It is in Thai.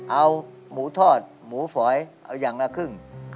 เอาหมูทอดหมูฝอยเอาอย่างละครึ่ง